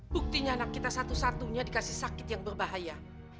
buktinya anak kita satu satunya dikasih sakit yang berbahaya